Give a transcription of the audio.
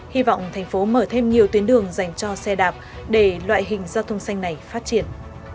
hy vọng thành phố mở thêm nhiều tuyến đường dành cho xe đạp để loại hình giao thông xanh này phát triển